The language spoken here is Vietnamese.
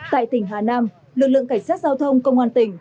tại tỉnh hà nam lực lượng cảnh sát giao thông công an tỉnh